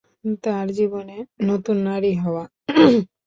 তার জীবনে নতুন নারী হওয়া।